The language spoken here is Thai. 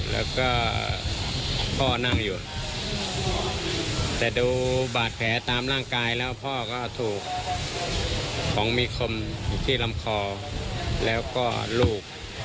ลูกนอนอยู่ใกล้ก่อนก็ยังพ่อน่านอยู่